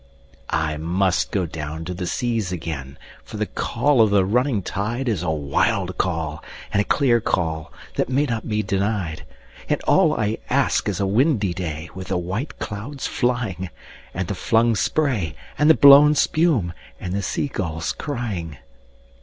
I must down go to the seas again, for the call of the running tide Is a wild call and a clear call that may not be denied; And all I ask is a windy day with the white clouds flying, And the flung spray and the blown spume, and the sea gulls crying.